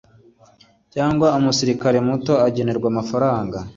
cyangwa Umusirikare Muto agenerwa amafaranga